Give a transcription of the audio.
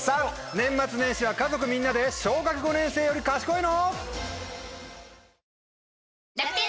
年末年始は家族みんなで小学５年生より賢いの？